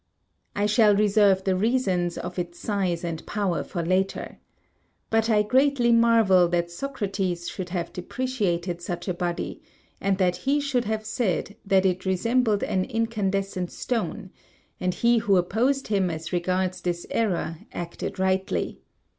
I shall reserve the reasons of its size and power for later. But I greatly marvel that Socrates should have depreciated such a body, and that he should have said that it resembled an incandescent stone; and he who opposed him as regards this error acted rightly.